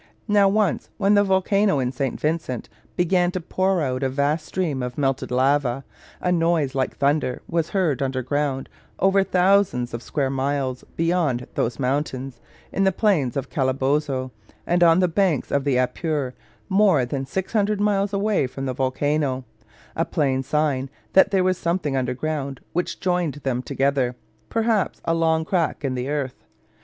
Now once, when the volcano in St. Vincent began to pour out a vast stream of melted lava, a noise like thunder was heard underground, over thousands of square miles beyond those mountains, in the plains of Calabozo, and on the banks of the Apure, more than 600 miles away from the volcano, a plain sign that there was something underground which joined them together, perhaps a long crack in the earth.